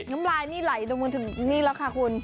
น้ำลายนี่ไหลลงมาถึงนี่แล้วค่ะคุณ